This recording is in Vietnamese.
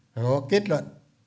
và có kết luận